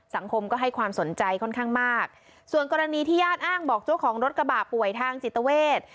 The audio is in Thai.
สังคมก็ให้ความสนใจค่อนข้างมากส่วนกรณีที่ญาติอ้างบอกเจ้าของรถกระบะป่วยทางจิตเวท